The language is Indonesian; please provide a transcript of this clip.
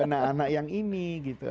anak anak yang ini gitu